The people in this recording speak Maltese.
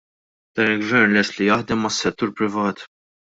Dan il-Gvern lest li jaħdem mas-settur privat.